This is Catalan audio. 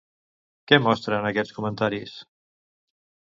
Què mostren aquests comentaris?